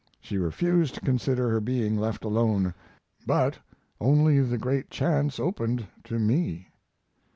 She refused to consider her being left alone; but: only the great chance opened to me.